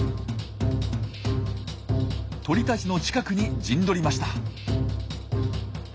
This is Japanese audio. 鳥たちの近くに陣取りました。